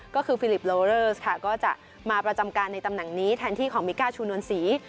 ก็คือฟิลิปโลเลอร์สค่ะก็จะมาประจำการในตำแหน่งนี้แทนที่ของมิก้าชูนวลศรี